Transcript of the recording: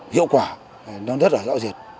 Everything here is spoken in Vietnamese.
hiệu quả nó rất là rõ rệt